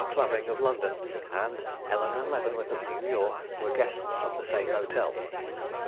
Clavering, of London, and Eleanore Leavenworth, of New York, were guests of the same hotel.